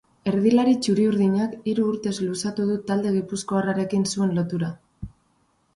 Erdilari txuri-urdinak hiru urtez luzatu du talde gipuzkoarrarekin zuen lotura.